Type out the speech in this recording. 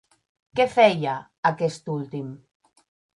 Què feia, aquest últim?